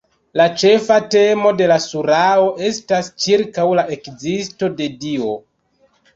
La ĉefa temo de la surao estas ĉirkaŭ la ekzisto de Dio.